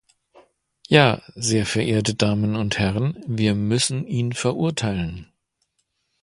Ja, sehr verehrte Damen und Herren, wir müssen ihn verurteilen!